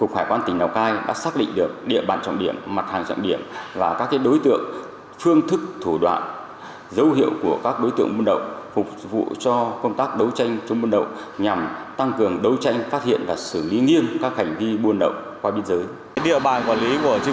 hải quan lào cai đã bắt giữ và xử lý ba mươi bốn vụ buôn lậu vận chuyển hàng trải pháp qua biên giới